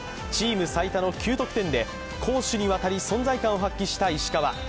チーム最多の９得点で攻守にわたり存在感を発揮した石川。